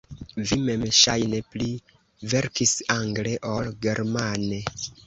Vi mem ŝajne pli verkis angle ol germane.